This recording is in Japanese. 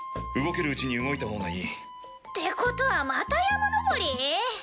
動けるうちに動いたほうがいい。ってことはまた山登り？